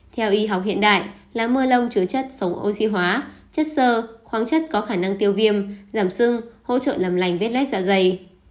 theo y học hiện đại lá mưa lông chứa chất sống oxy hóa chất sơ khoáng chất có khả năng tiêu viêm giảm sưng hỗ trợ làm lành vết lết dạ dày